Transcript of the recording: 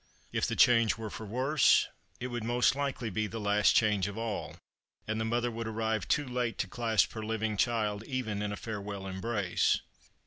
If the change were for worse, it would most likely be the last change of all, and the mother would arrive too late to clasp her living child even in a farewell embrace.